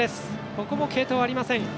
ここも継投はありません